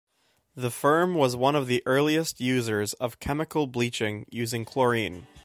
The firm was one of the earliest users of chemical bleaching using chlorine.